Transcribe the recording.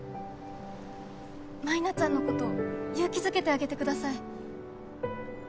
舞菜ちゃんのこと勇気づけてあげてください